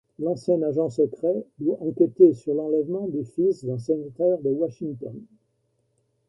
L’ancien agent secret doit enquêter sur l’enlèvement du fils d’un sénateur de Washington.